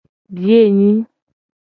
Biye nyi.